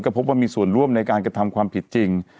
พบว่ามีส่วนร่วมในการกระทำความผิดจริง